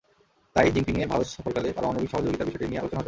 তাই জিনপিংয়ের ভারত সফরকালে পারমাণবিক সহযোগিতার বিষয়টি নিয়ে আলোচনা হতে পারে।